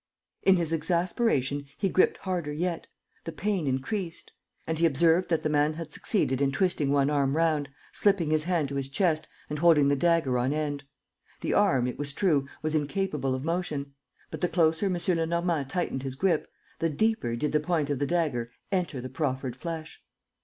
... In his exasperation, he gripped harder yet: the pain increased! And he observed that the man had succeeded in twisting one arm round, slipping his hand to his chest and holding the dagger on end. The arm, it was true, was incapable of motion; but the closer M. Lenormand tightened his grip, the deeper did the point of the dagger enter the proffered flesh.